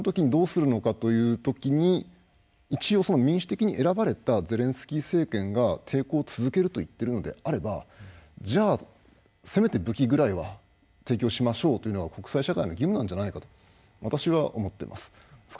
そのとき、どうするかというとき一応、民主的に選ばれたゼレンスキー政権が抵抗を続けると言っているのであればせめて武器ぐらいは提供しましょうというのは国際社会の義務じゃないかと私は思っています。